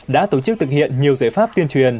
đã tổ chức thực hiện nhiều giải pháp tuyên truyền